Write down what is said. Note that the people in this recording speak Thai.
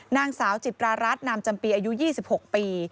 นางสาวจิตรารัฐนามจำปีอายุ๒๖ปี